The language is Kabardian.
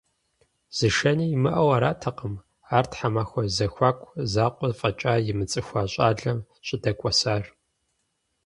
Зышэни имыӏэу артэкъым ар тхьэмахуэ зэхуаку закъуэ фӏэкӏа имыцӏыхуа щӏалэм щӏыдэкӏуэсар.